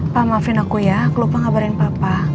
pa maafin aku ya aku lupa ngabarin papa